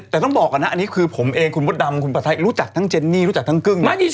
แต่ต้องบอกก่อนนะอันนี้คือผมเองคุณมดดำคุณประไทยรู้จักทั้งเจนนี่รู้จักทั้งกึ้ง